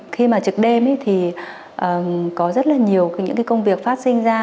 khi mà trực đêm thì có rất là nhiều công việc phát sinh ra